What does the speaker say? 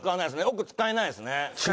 奥使えないですね。